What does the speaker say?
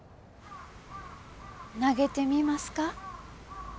投げてみますか？